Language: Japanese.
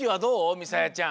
みさやちゃん。